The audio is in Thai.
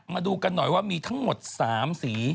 มาดูกันหน่อยว่ามีทั้งหมด๓สี